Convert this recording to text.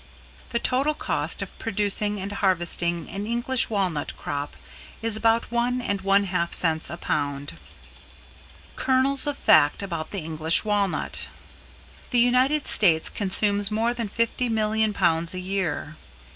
The total cost of producing and harvesting an English Walnut crop is about one and one half cents a pound. Kernels of Fact about the English Walnut. The United States consumes more than 50,000,000 pounds a year.